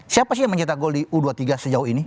siapa sih yang mencetak gol di u dua puluh tiga sejauh ini